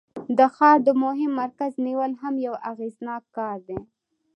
د ښار د مهم مرکز نیول هم یو اغیزناک کار دی.